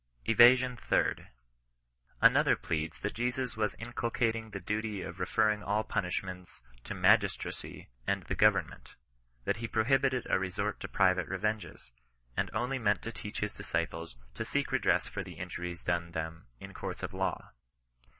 ETASION THIBD. Another pleads that Jesus was inculcating the duty of referring all punishments to magistracy and the govern merU ; that he prohibited a resort to private revenges ; and only meant to teach his disciples to seek redress for the injuries done them in courts of law.